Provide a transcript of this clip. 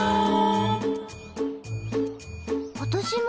落とし物？